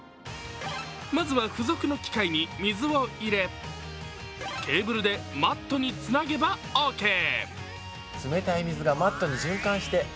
まずは、付属の機械に水を入れケーブルでマットにつなげばオーケー。